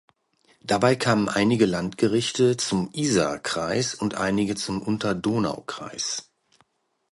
Dabei kamen einige Landgerichte zum Isarkreis und einige zum Unterdonaukreis.